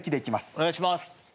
お願いします。